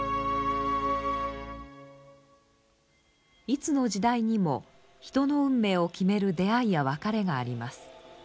いつの時代にも人の運命を決める出会いや別れがあります。